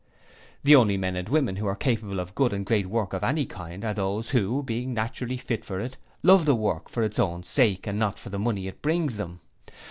The only men and women who are capable of good and great work of any kind are those who, being naturally fit for it, love the work for its own sake and not for the money it brings them.